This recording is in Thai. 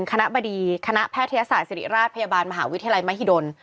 คณะบดีคณะแพทยศาสตร์ศิริราชพยาบาลมหาวิทยาลัยมหิดล